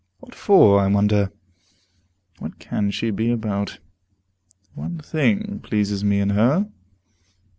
What for, I wonder? What can she be about? One thing pleases me in her.